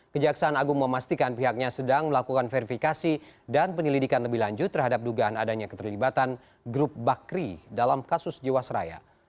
kejaksaan agung memastikan pihaknya sedang melakukan verifikasi dan penyelidikan lebih lanjut terhadap dugaan adanya keterlibatan grup bakri dalam kasus jiwasraya